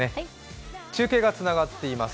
中継がつながっています。